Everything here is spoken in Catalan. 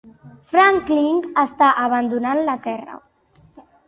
Franklin està abandonant la terra.